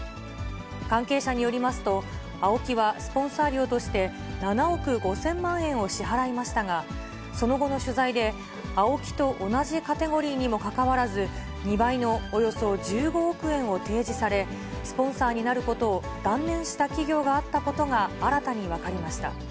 関係者によりますと、ＡＯＫＩはスポンサー料として、７億５０００万円を支払いましたが、その後の取材で、ＡＯＫＩと同じカテゴリーにもかかわらず、２倍のおよそ１５億円を提示され、スポンサーになることを断念した企業があったことが新たに分かりました。